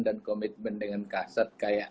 dan komitmen dengan kaset kayak